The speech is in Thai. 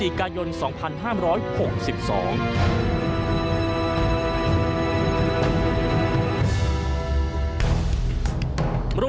หลังตำรวจสืบสวนขยายผลพบว่าเธอและสามีชาวตุรกีเป็นผู้เช่าห้องพักให้ผู้เช่าห้องพฤศจิกายน๒๕๖๒